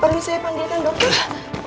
perlu saya panggilkan dokter